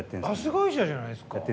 会社じゃないですか？